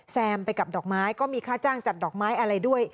แซมไปกับดอกไม้ก็มีค่าจ้างจัดดอกไม้อะไรด้วย